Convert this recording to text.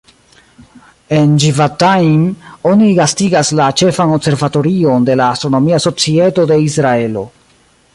En Givatajim oni gastigas la ĉefan observatorion de la Astronomia Societo de Israelo.